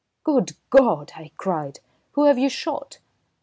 "Good God!" I cried. "Who have you shot?"